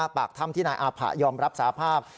ปากถ้ำที่นายอาผะยอมรับสาภาพ